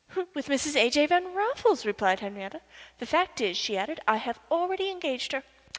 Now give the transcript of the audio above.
"With Mrs. A. J. Van Raffles," replied Henriette. "The fact is," she added, "I have already engaged her.